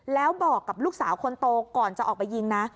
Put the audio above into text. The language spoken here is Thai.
แล้วบอกกับลูกสาวคนโตก่อนจะออกไปยิงนะ